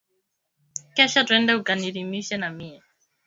Kesho twende uka nilimishe na mie